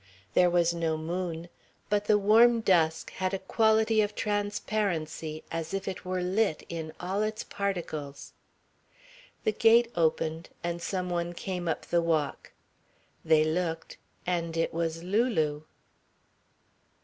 There was no moon, but the warm dusk had a quality of transparency as if it were lit in all its particles. The gate opened, and some one came up the walk. They looked, and it was Lulu.